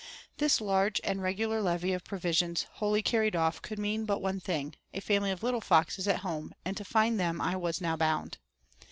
This large and regular levy of provisions wholly carried off could mean but one thing, a family of little foxes at home; and to find them I now was bound.